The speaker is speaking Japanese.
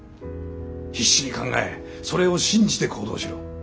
必死に考えそれを信じて行動しろ。